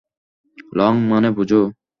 Long মানে বুঝো?